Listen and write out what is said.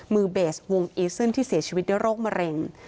มือเบสวงอีซึนที่เสียชีวิตด้วยโรคมะเร็ง